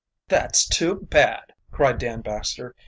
"That's too bad," cried Dan Baxter.